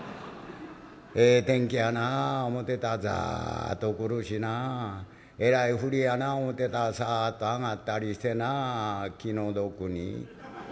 「ええ天気やな思てたらザッと来るしなえらい降りやな思てたらサッと上がったりしてな気の毒に」。